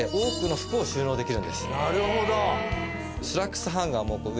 なるほど！